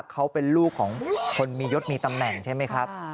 เขาเป็นลูกของคนมียศมีตำแหน่งใช่ไหมครับ